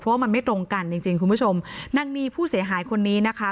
ว่ามันไม่ตรงกันจริงจริงคุณผู้ชมนางนีผู้เสียหายคนนี้นะคะ